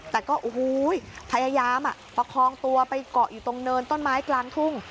แต่ก็โอ้โหพยายามประคองตัวไปเกาะอยู่ตรงเนินต้นไม้กลางทุ่ง